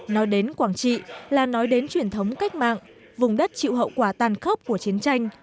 nói đến quảng trị là nói đến truyền thống cách mạng vùng đất chịu hậu quả tàn khốc của chiến tranh